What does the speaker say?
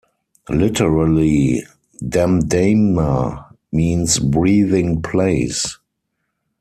Literally, "Damdama" means "breathing place".